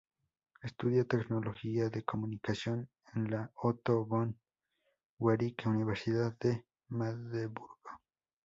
Estudia Tecnología de Comunicación en la Otto-von-Guericke Universidad de Magdeburgo.